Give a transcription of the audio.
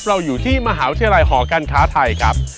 เราอยู่ที่มหาวิทยาลัยหอการค้าไทยครับ